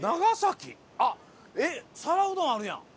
えっ皿うどんあるやん！